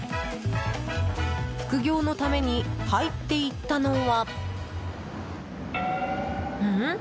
副業のために入っていったのはうん？